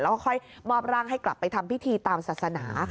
แล้วก็ค่อยมอบร่างให้กลับไปทำพิธีตามศาสนา